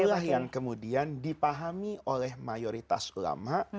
inilah yang kemudian dipahami oleh mayoritas ulama